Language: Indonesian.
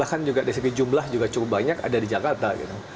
bahkan juga dcp jumlah juga cukup banyak ada di jakarta